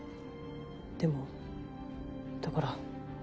でもだから。